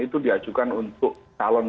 itu diajukan untuk calon